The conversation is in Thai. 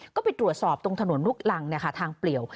ก็ไปตรวจสอบตรงถนนลุกรังเนี่ยค่ะทางเปลี่ยว